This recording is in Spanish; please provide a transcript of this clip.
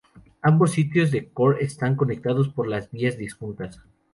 Ambos sitios de Core están conectados por dos vías disjuntas.